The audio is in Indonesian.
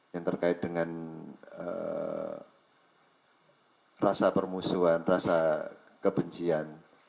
yang terkait dengan rasa permusuhan rasa kebencian